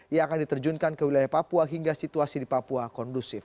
yang akan diterjunkan ke wilayah papua hingga situasi di papua kondusif